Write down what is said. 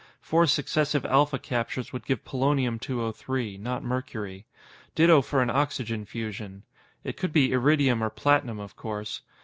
Four successive alpha captures would give Polonium 203, not mercury. Ditto for an oxygen fusion. It could be iridium or platinum, of course.